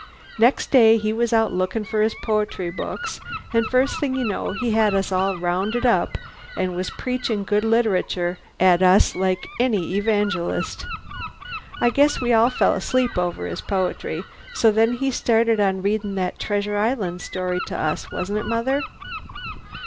Next day he was out lookin' fer his poetry books, an' first thing you know he had us all rounded up an' was preachin' good literature at us like any evangelist. I guess we all fell asleep over his poetry, so then he started on readin' that 'Treasure Island' story to us, wasn't it, Mother?